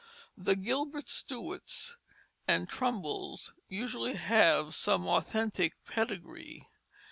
The Gilbert Stuarts and Trumbulls usually have some authentic pedigree.